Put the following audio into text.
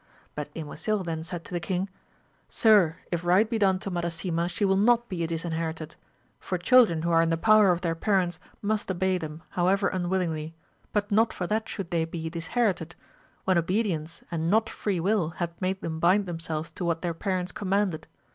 But Ymosil then said to the king, Sir, if right be done to Madasima she will not be disherited, for children who are in the power of their parents must obey them, however unwillingly, but not for that should they be disherited, when obedience and not free will hath made them bind themselves to what their parents commanded.